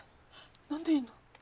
何でいんの？